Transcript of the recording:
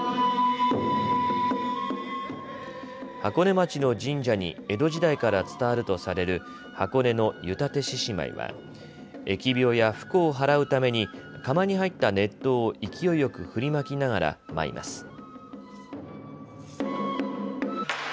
箱根町の神社に江戸時代から伝わるとされる箱根の湯立獅子舞は疫病や不幸をはらうために釜に入った熱湯を勢いよく振りまきながら舞います。